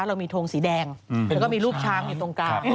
เรามีทงสีแดงแล้วก็มีรูปช้างอยู่ตรงกลาง